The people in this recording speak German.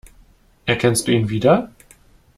Erkennst du ihn wieder?